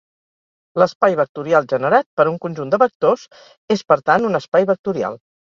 L'espai vectorial generat per un conjunt de vectors és, per tant, un espai vectorial.